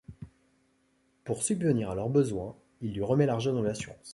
Pour subvenir à leurs besoins, elle lui remet l'argent de l'assurance.